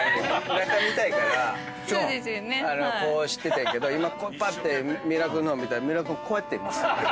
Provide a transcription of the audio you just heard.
中見たいからこうしててんけど今ぱって三浦君の方見たら三浦君こうやって。